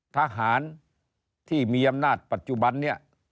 ทหารที่มีอำนาจปัจจุบันนี้